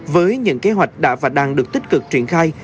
với những kế hoạch đã và đang được tích cực triển khai